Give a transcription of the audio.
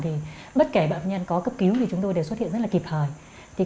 phạm nhân có cấp cứu thì chúng tôi đều xuất hiện rất là kịp thời